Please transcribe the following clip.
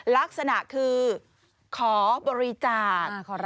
ลักษณะคือขอบริจาค